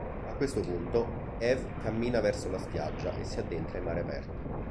A questo punto, Eve cammina verso la spiaggia e si addentra in mare aperto.